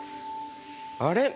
あれ？